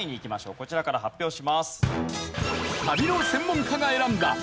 こちらから発表します。